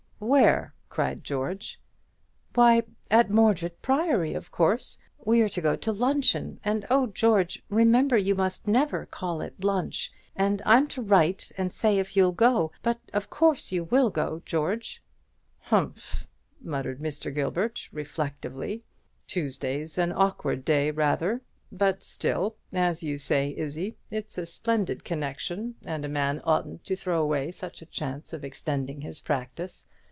"Where?" cried George. "Why, at Mordred Priory, of course. We're to go to luncheon: and, oh, George, remember you must never call it 'lunch.' And I'm to write and say if you'll go; but of course you will go, George." "Humph!" muttered Mr. Gilbert, reflectively; "Tuesday's an awkward day, rather. But still, as you say, Izzie, it's a splendid connection, and a man oughtn't to throw away such a chance of extending his practice.